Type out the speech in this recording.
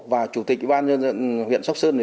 và chủ tịch ủy ban nhân dân huyện sóc sơn